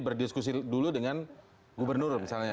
berdiskusi dulu dengan gubernur misalnya